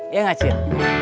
ya gak acil